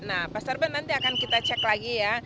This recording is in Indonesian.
nah pasar tebet nanti akan kita cek lagi ya